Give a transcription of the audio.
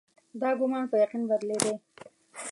دا ګومان په یقین بدلېدی.